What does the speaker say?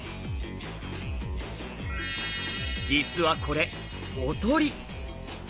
実はこれおとり。